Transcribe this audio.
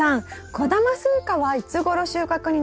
小玉スイカはいつごろ収穫になりますか？